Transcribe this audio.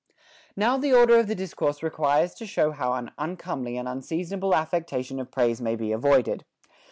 18. Xow the order of the discourse requires to show how an uncomely and unseasonable affectation of praise may be avoided.